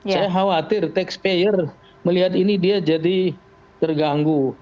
saya khawatir taxpayer melihat ini dia jadi terganggu